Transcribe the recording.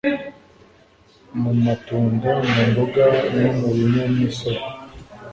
mu matunda, mu mboga, no mu binyamisogwe.